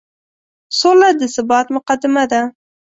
سوله د ثبات مقدمه ده.